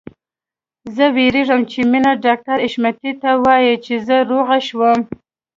زه وېرېږم چې مينه ډاکټر حشمتي ته ووايي چې زه روغه شوم